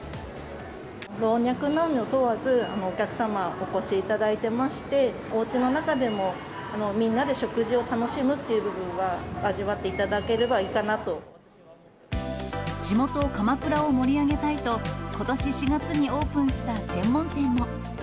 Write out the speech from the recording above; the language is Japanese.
老若男女問わず、お客様、お越しいただいてまして、おうちの中でもみんなで食事を楽しむっていう部分は、味わってい地元、鎌倉を盛り上げたいと、ことし４月にオープンした専門店も。